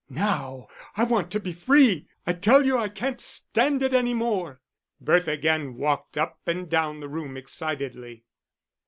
Now I want to be free, I tell you I can't stand it any more." Bertha again walked up and down the room excitedly.